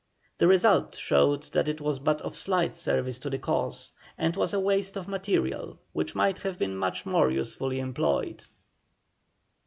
The result showed that it was but of slight service to the cause, and was a waste of material which might have been much more usefully employed.